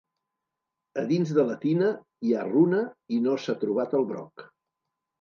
A dins de la tina hi ha runa i no s'ha trobat el broc.